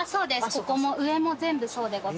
ここも上も全部そうでございます。